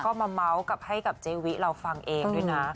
ก็มาเมาส์ให้กับเจวิเราฟังเองด้วยนะ